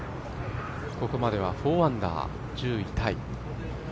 ここまでは４アンダー１０位タイ。